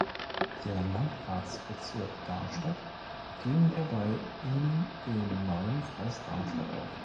Der Landratsbezirk Darmstadt ging dabei in dem neuen Kreis Darmstadt auf.